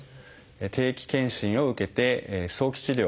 定期健診を受けて早期治療